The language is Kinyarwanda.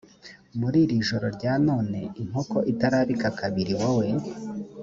muri iri joro rya none inkoko itarabika kabiri wowe